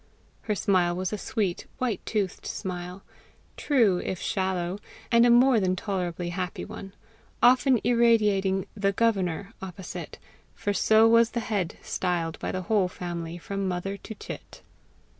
Her smile was a sweet white toothed smile, true if shallow, and a more than tolerably happy one often irradiating THE GOVERNOR opposite for so was the head styled by the whole family from mother to chit.